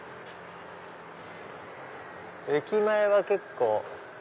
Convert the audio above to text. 駅前は結構。